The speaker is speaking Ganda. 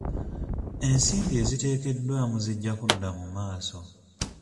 Ensimbi eziteekeddwamu zijja kudda mu maaso.